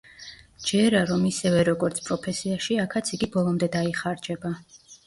მჯერა, რომ ისევე როგორც პროფესიაში, აქაც იგი ბოლომდე დაიხარჯება.